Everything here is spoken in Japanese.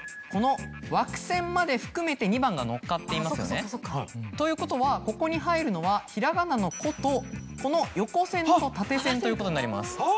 この枠線まで含めて２番が乗かっていますよね？ということはここに入るのはひらがなの「こ」とこの横線と縦線ということになります。